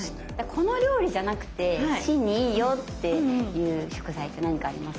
この料理じゃなくて心にいいよっていう食材って何かありますか？